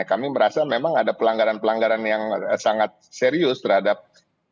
kami merasa memang ada pelanggaran pelanggaran yang sangat serius terhadap